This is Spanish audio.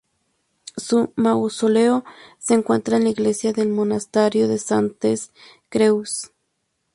Su mausoleo se encuentra en la iglesia del Monasterio de Santes Creus.